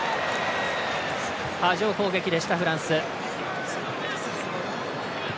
波状攻撃でした、フランス。